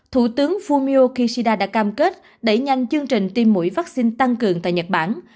thủ tướng fumio kishida đã cam kết đẩy nhanh chương trình tiêm mũi vaccine tăng cường tại nhật bản